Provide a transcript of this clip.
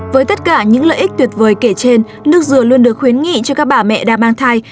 với tất cả những lợi ích tuyệt vời kể trên nước dừa luôn được khuyến nghị cho các bà mẹ đang mang thai